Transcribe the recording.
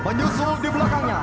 penyusul di belakangnya